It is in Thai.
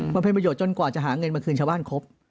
มันเป็นประโยชนจนกว่าจะหาเงินมาคืนชาวบ้านครบ